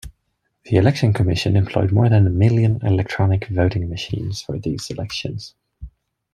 The Election Commission employed more than a million electronic voting machines for these elections.